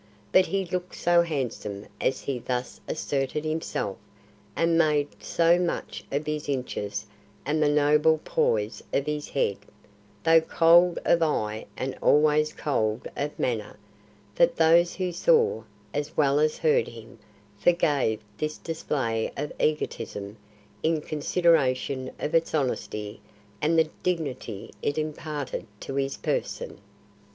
But he looked so handsome as he thus asserted himself and made so much of his inches and the noble poise of his head though cold of eye and always cold of manner that those who saw, as well as heard him, forgave this display of egotism in consideration of its honesty and the dignity it imparted to his person.